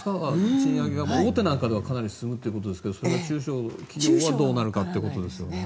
賃上げが大手なんかではかなり進むということですが中小はどうなるかですよね。